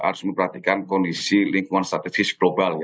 harus memperhatikan kondisi lingkungan strategis global